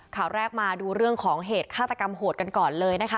ข่าวแรกมาดูเรื่องของเหตุฆาตกรรมโหดกันก่อนเลยนะคะ